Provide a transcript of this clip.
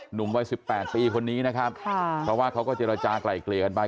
หนุ่มวัยสิบแปดปีคนนี้นะครับค่ะเพราะว่าเขาก็เจรจากลายเกลี่ยกันไป